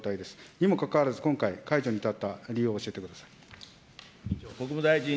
にもかかわらず、今回、解除に至った理由を教えてください。